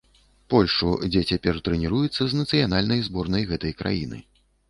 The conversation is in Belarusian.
Польшчу, дзе цяпер трэніруецца з нацыянальнай зборнай гэтай краіны.